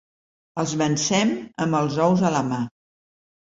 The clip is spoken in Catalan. Els vencem amb els ous a la mà.